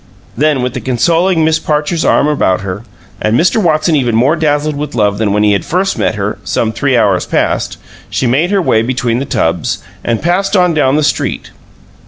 Then with the consoling Miss Parcher's arm about her, and Mr. Watson even more dazzled with love than when he had first met her, some three hours past, she made her way between the tubs, and passed on down the street.